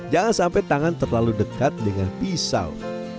jangan sampai tangan terlalu dekat dengan pisau